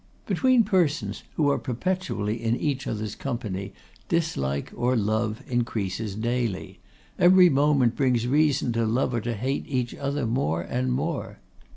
Between persons who are perpetually in each other's company dislike or love increases daily; every moment brings reasons to love or hate each other more and more.